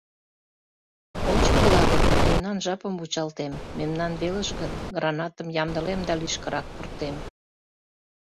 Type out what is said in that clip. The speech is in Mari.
Ончыкыла гын, йӧнан жапым вучалтем, мемнан велыш гын, гранатым ямдылем да лишкырак пуртем.